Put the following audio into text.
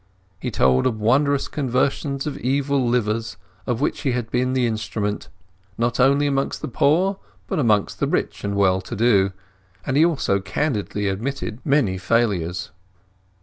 He told of wondrous conversions of evil livers of which he had been the instrument, not only amongst the poor, but amongst the rich and well to do; and he also candidly admitted many failures.